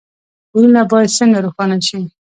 کورونه باید څنګه روښانه شي؟